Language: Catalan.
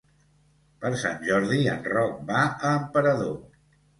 Per Sant Jordi en Roc va a Emperador.